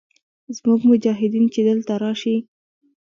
زموږ مجاهدین چې دلته راشي.